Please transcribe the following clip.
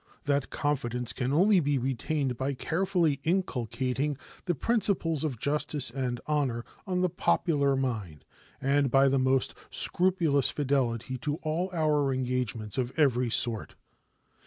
That confidence can only be retained by carefully inculcating the principles of justice and honor on the popular mind and by the most scrupulous fidelity to all our engagements of every sort.